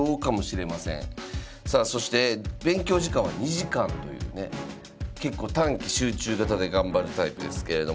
さあそして勉強時間は２時間というね結構短期集中型で頑張るタイプですけれども。